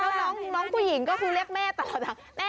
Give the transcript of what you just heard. แล้วน้องผู้หญิงก็คือเรียกแม่ตลอด